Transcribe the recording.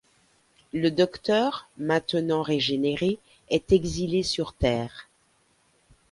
Le docteur maintenant régénéré est exilé sur terre.